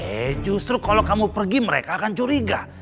eh justru kalau kamu pergi mereka akan curiga